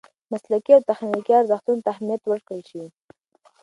مسلکي او تخنیکي ارزښتونو ته اهمیت ورکړل شي.